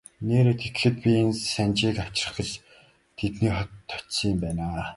Нээрээ тэгэхэд би энэ Санжийг авчрах гэж тэдний хотод очсон юм байна.